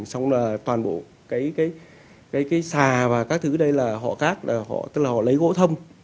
xong là toàn bộ cái xà và các thứ đây là họ cát tức là họ lấy gỗ thâm